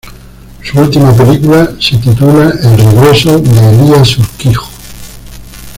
Su última película se titula "El regreso de Elías Urquijo".